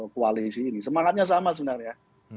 koalisi ini semangatnya sama sebenarnya